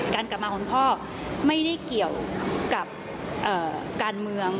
กลับมาของคุณพ่อไม่ได้เกี่ยวกับการเมือง